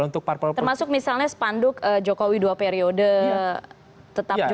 termasuk misalnya spanduk jokowi dua periode tetap jokowi